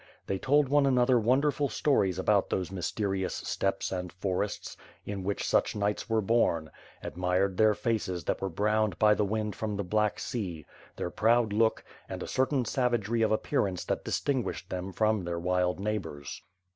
They told one another wonderful stories about those mysterious steppes and forests, in which such knights were bom; admired their faces that were browned by the wind from the Black Sea; their proud look, and a certain savagery of appearance that distinguished them from their wild neighbors.